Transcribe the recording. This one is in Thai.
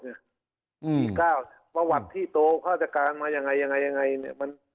อีก๙ประวัติที่โตเผาจกรานมาอย่างไรอย่างไรอย่างไร